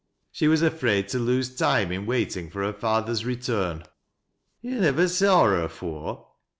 She was afraid to lose time in waiting for her father's return." " Yo' nivver saw her afore